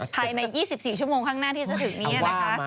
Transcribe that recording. ภายใน๒๔ชั่วโมงข้างหน้าที่จะถึงนี้นะคะ